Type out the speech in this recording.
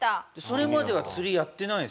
それまでは釣りやってない。